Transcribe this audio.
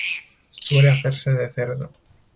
Suele hacerse de cerdo.